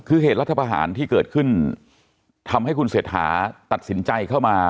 คือเหตุรัฐประหารที่เกิดขึ้นทำให้คุณเศรษฐาตัดสินใจเข้ามา